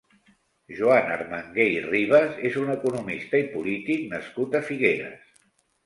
Joan Armangué i Ribas és un economista i polític nascut a Figueres.